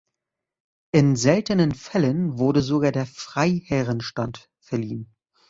In seltenen Fällen wurde sogar der Freiherrenstand verliehen.